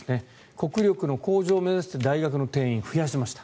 国力の向上を目指して大学の定員を増やしました。